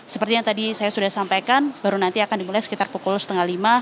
seperti yang tadi saya sudah sampaikan baru nanti akan dimulai sekitar pukul setengah lima